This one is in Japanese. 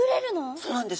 そうなんです。